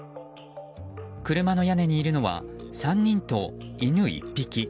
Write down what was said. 車の屋根にいるのは３人と犬１匹。